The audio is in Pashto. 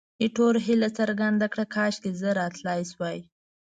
ایټور هیله څرګنده کړه، کاشکې زه تلای شوای.